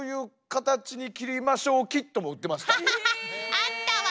あったわ。